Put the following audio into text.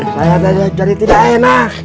saya tadi cari tidak enak